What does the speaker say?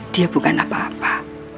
dia bukan apa apa